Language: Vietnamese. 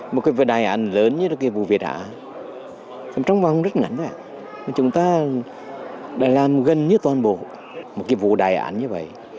một cái vụ đài ảnh lớn như vụ việt á trong vòng rất ngắn thôi ạ chúng ta đã làm gần như toàn bộ một cái vụ đài ảnh như vậy